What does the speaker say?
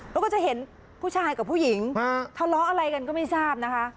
แล้วก็จะเห็นผู้ชายกับผู้หญิงทะเลาะอะไรกันก็ไม่ทราบนะคะ